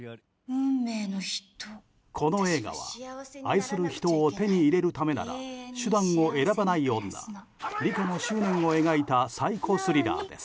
この映画は愛する人を手に入れるためなら手段を選ばない女リカの執念を描いたサイコスリラーです。